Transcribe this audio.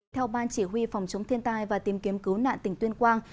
theo ban chỉ huy phòng chống thiên tai và tìm kiếm cứu nạn tỉnh tuyên quang